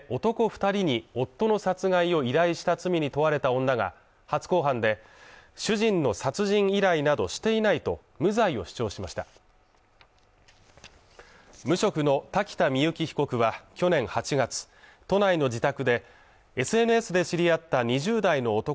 二人に夫の殺害を依頼した罪に問われた女が初公判で主人の殺人依頼などしていないと無罪を主張しました無職の瀧田深雪被告は去年８月都内の自宅でＳＮＳで知り合った２０代の男